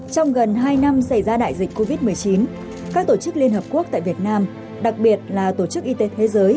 trong gần hai năm xảy ra đại dịch covid một mươi chín các tổ chức liên hợp quốc tại việt nam đặc biệt là tổ chức y tế thế giới